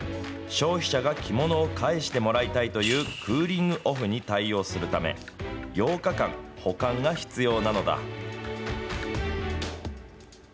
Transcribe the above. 消費者が着物を返してもらいたいというクーリングオフに対応するため、８日間、保管が必要なのだ。